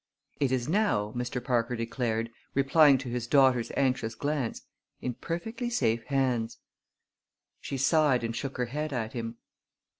"It is now," Mr. Parker declared, replying to his daughter's anxious glance, "in perfectly safe hands." She sighed and shook her head at him.